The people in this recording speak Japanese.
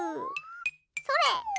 それ！